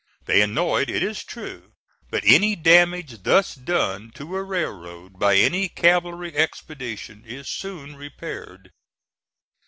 They annoyed, it is true, but any damage thus done to a railroad by any cavalry expedition is soon repaired.